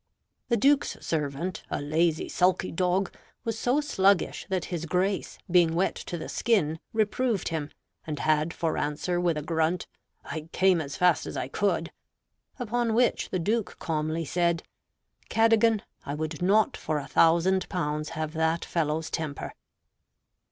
The Duke's servant, a lazy, sulky dog, was so sluggish that his Grace, being wet to the skin, reproved him, and had for answer with a grunt, "I came as fast as I could;" upon which the Duke calmly said, "Cadogan, I would not for a thousand pounds have that fellow's temper."